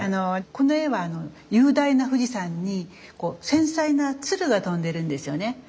この絵は雄大な富士山に繊細な鶴が飛んでるんですよね。